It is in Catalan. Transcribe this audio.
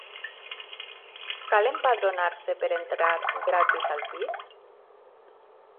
Cal empadronar-se per entrar gratis al pis?